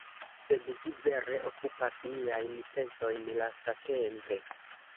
Sed ĝi vere okupas miajn pensojn lastatempe